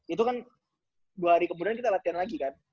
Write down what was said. itu kan dua hari kemudian kita latihan lagi kan